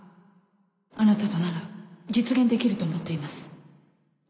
あなたとなら実現できると思っています